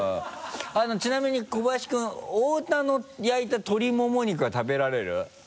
ちなみに小林君大田の焼いた鶏モモ肉は食べられる？